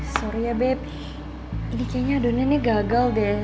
sorry ya babe ini kayaknya adonannya gagal deh